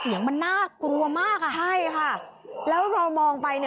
สียังดังแล้วหน้ากลัวมาก